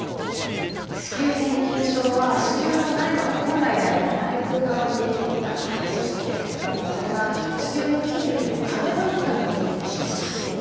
子宮腺筋症は子宮の内膜本来であれば内腔側に出来ていた組織ですけれどもそれが子宮の筋肉の壁の中に出来てしまう病気です。